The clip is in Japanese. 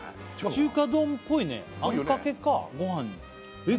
中華丼っぽいねあんかけかごはんにえっ